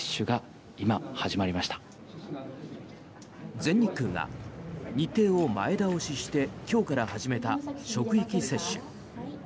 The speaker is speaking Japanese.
全日空が日程を前倒しして今日から始めた職域接種。